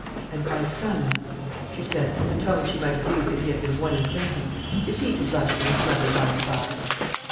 "And my son," she said, with the tone she might have used if he had been one and twenty, "is he to blush for his mother by and by?"